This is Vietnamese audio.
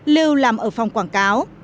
lưu làm ở phòng quảng cáo